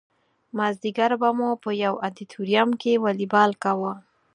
مازدیګر به مو په یو ادیتوریم کې والیبال کاوه.